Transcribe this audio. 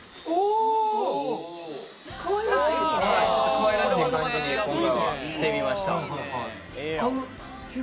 かわいらしい感じに今度はしてみました。